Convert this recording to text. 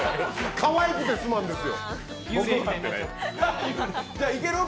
かわいくてすまんですよ。